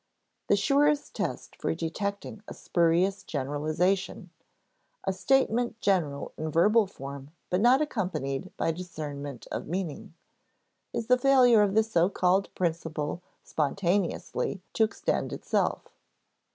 The surest test for detecting a spurious generalization (a statement general in verbal form but not accompanied by discernment of meaning), is the failure of the so called principle spontaneously to extend itself.